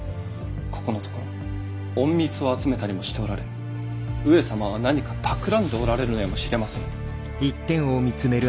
ここのところ隠密を集めたりもしておられ上様は何かたくらんでおられるのやもしれませぬ。